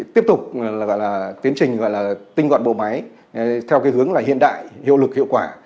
tiếp tục gọi là tiến trình gọi là tinh gọn bộ máy theo cái hướng là hiện đại hiệu lực hiệu quả